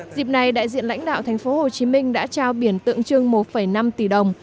dịp này đại diện lãnh đạo tp hcm đã trao biển tượng trưng một năm tỷ đồng